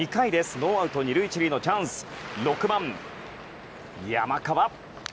ノーアウト２塁１塁のチャンス６番、山川。